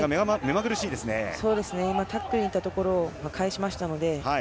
今、タックルに行ったところを返しましたので。